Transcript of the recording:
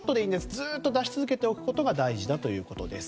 ずっと出し続けることが大事だということです。